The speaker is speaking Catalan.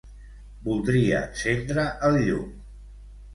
Voldria encendre el llum.